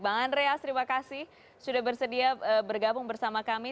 bang andreas terima kasih sudah bersedia bergabung bersama kami